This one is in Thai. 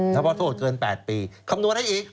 ถ้าว่าโทษเกิน๘ปีคำนวณให้อีก